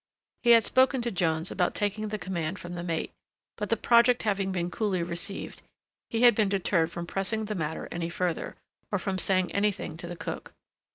He had spoken to Jones about taking the command from the mate; but the project having been coolly received, he had been deterred from pressing the matter any further, or from saying any thing to the cook.